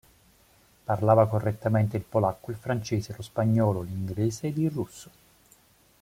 Parlava correttamente il polacco, il francese, lo spagnolo, l'inglese ed il russo.